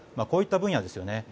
こういった分野ですね。